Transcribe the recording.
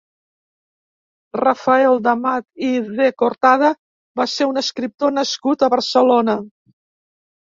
Rafael d'Amat i de Cortada va ser un escriptor nascut a Barcelona.